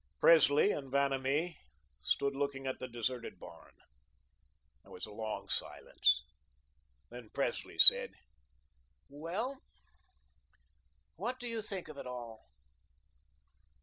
Presley and Vanamee stood looking at the deserted barn. There was a long silence. Then Presley said: "Well... what do you think of it all?"